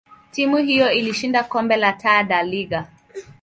timu hiyo ilishinda kombe la Taa da Liga.